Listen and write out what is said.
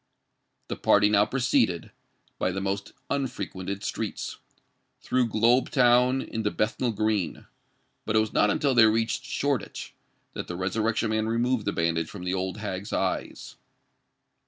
The party now proceeded, by the most unfrequented streets, through Globe Town into Bethnal Green; but it was not until they reached Shoreditch, that the Resurrection Man removed the bandage from the old hag's eyes.